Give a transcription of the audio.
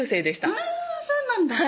あぁそうなんだは